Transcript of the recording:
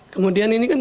kemudian ini kan